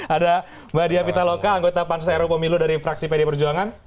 ada mbak dia pitaloka anggota pansus ru pemilu dari fraksi pd perjuangan